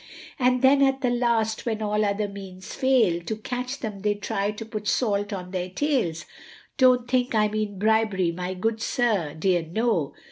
And then at the last, when all other means fail, To catch them they try to put salt on their tails, Don't think I mean bribery, my good sir, dear no!